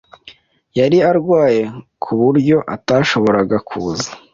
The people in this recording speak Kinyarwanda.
Yari arwaye, ku buryo atashoboraga kuza.